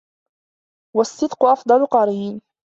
وَالصِّدْقُ أَفْضَلُ قَرِينٍ